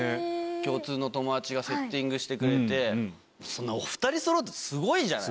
共通の友達がセッティングしてくれて、そんなお２人そろって、すごいじゃない。